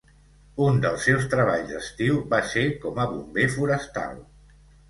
Un dels seus treballs d'estiu va ser com a bomber forestal.